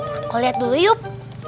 aku lihat dulu yuk